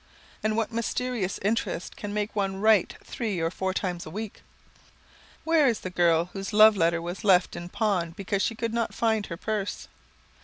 And what mysterious interest can make one write three or four times a week? Where is the girl whose love letter was left in pawn because she could not find her purse?